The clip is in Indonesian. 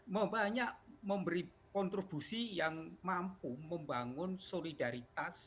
membanyak memberi kontribusi yang mampu membangun solidaritas